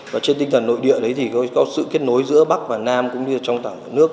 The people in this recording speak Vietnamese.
và trên tinh thần nội địa đấy thì có sự kết nối giữa bắc và nam cũng như trong cả nước